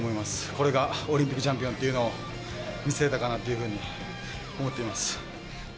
これがオリンピックチャンピオンというのを見せれたかなっていうふうに思っています。